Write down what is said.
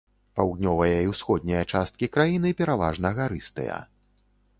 Паўднёвая і ўсходняя часткі краіны пераважна гарыстыя.